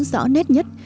rõ nét nhất